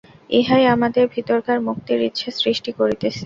উহাই আমাদের ভিতরকার মুক্তির ইচ্ছা সৃষ্টি করিতেছে।